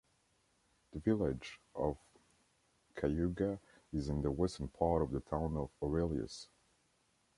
The village of Cayuga is in the western part of the town of Aurelius.